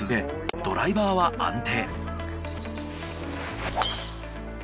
ドライバーは安定。